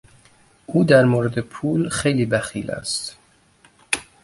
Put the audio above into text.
او در مورد پول خیلی بخیل است.